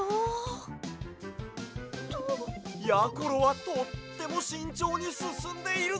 ころはとってもしんちょうにすすんでいるぞ。